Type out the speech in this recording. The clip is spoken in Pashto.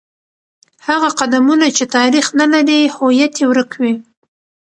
هغه قومونه چې تاریخ نه لري، هویت یې ورک وي.